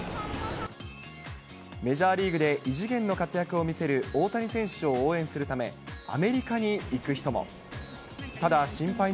メジャーリーグで異次元の活躍を見せる大谷選手を応援するため、アメリカに行く人も。